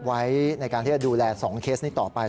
ไว้ในการที่จะดูแล๒เคสนี้ต่อไป